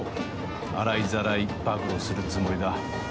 洗いざらい暴露するつもりだ。